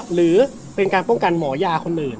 หรือเป็นการป้องกันหมอยาคนอื่น